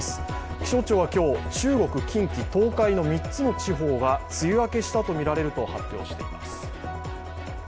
気象庁は今日、中国・近畿・東海の３つの地方が梅雨明けしたとみられると発表しています。